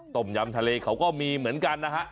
ต้มยำทะเลเขาก็มีเหมือนกันนะฮะ